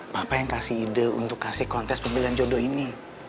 bapak yang kasih ide untuk kasih kontes pemilihan jodoh ini